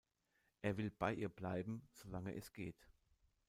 Er will bei ihr bleiben, solange es geht.